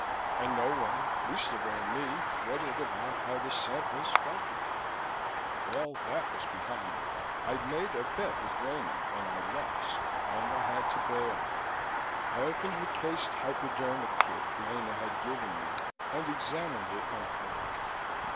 And no one, least of all me, fretted about how the samples felt about it. Well, that was behind me. I'd made a bet with Rena, and I'd lost, and I had to pay off. I opened the cased hypodermic kit Rena had given me and examined it uncomfortably.